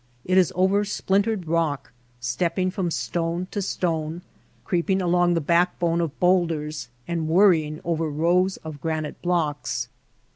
It is over splintered rock, step ping from stone to stone, creeping along the backbone of bowlders, and worrying over rows of granite blocks.